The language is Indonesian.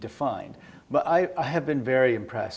tapi saya sangat terkesan